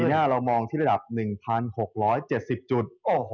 หน้าเรามองที่ระดับ๑๖๗๐จุด